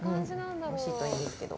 おいしいといいですけど。